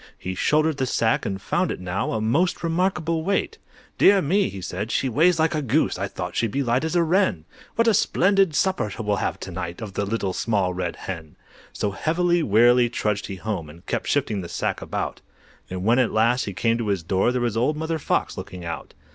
He shouldered the sack, and found it now A most remarkable weight. "Dear me!" he said, "she weighs like a goose! I thought she'd be light as a wren; What a splendid supper we'll have to night Off the Little Small Red Hen!" So heavily, wearily trudged he home, And kept shifting the sack about; And when at last he came to his door, There was old Mother Fox looking out.